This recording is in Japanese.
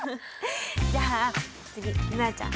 じゃあ次瑠菜ちゃん。